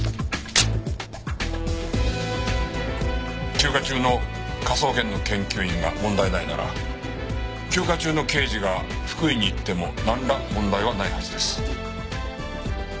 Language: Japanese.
休暇中の科捜研の研究員が問題ないなら休暇中の刑事が福井に行ってもなんら問題はないはずです。